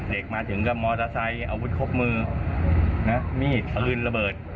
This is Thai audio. มาถึงก็มอเตอร์ไซค์อาวุธครบมือนะมีดอลืนระเบิด